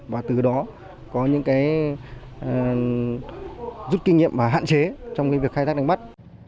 và từ đó có những cái rút kinh nghiệm và hạn chế trong việc khai thác đánh bắt